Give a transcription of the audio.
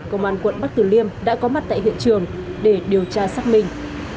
công an quận bắc tử liêm đã có mặt tại hiện trường để điều tra xác minh